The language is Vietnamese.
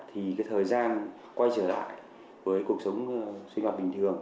thì cái thời gian quay trở lại với cuộc sống sinh hoạt bình thường